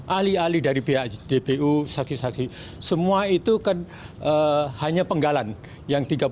ahli ahli dari bapu saksi saksi semua itu kan hanya penggalan yang tiga puluh satu menit kira kira